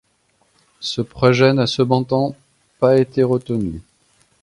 Ce projet n’a cependant pas été retenu.